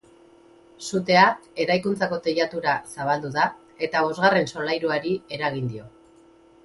Sutea eraikuntzako teilatura zabaldu da eta bosgarren solairuari eragin dio.